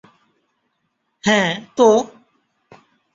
- হ্যা তো?